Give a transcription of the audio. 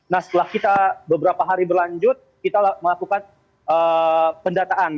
nah setelah kita beberapa hari berlanjut kita melakukan pendataan